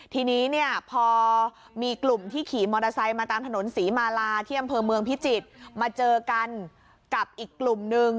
ทีนี้เนี่ยพอมีกลุ่มที่ขี่มอเตอร์ไซค์มาตามถนนศรีมาลาที่อำเภอเมืองพิจิตรมาเจอกันกับอีกกลุ่มนึง